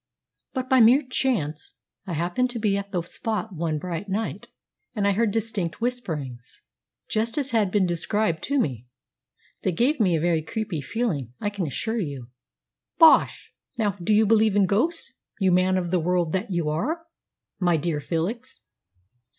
But by mere chance I happened to be at the spot one bright night, and I heard distinct whisperings, just as had been described to me. They gave me a very creepy feeling, I can assure you." "Bosh! Now, do you believe in ghosts, you man of the world that you are, my dear Felix?"